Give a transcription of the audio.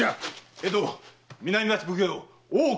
江戸南町奉行・大岡